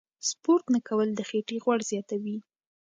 سپورت نه کول د خېټې غوړ زیاتوي.